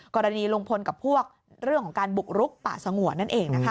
กรณีลุงพลกับพวกเรื่องของการบุกรุกป่าสงวนนั่นเองนะคะ